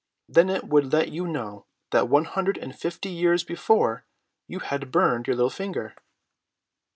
Then it would let you know that one hundred and fifty years before you had burned your little finger."